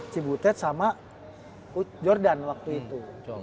si butet sama jordan waktu itu